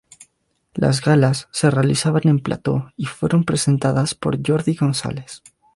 Las galas se realizaban en plató y fueron presentadas por Jordi González.